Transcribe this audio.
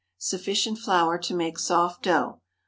Sufficient flour to make soft dough.